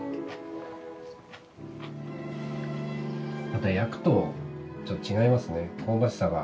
また焼くと違いますね香ばしさが。